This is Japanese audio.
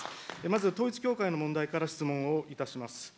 まず統一教会の問題から質問をいたします。